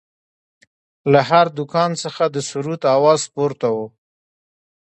له هر دوکان څخه د سروذ اواز پورته و.